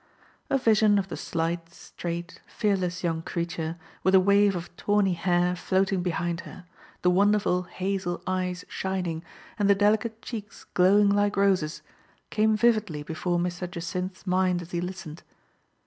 A vision of the slight, straight, fearless young creature, with a wave of tawny hair floating be hind her, the wonderful hazel eyes shining, and the delicate cheeks glowing like roses, came vividly before Mr. Jacynth's mind as he listened.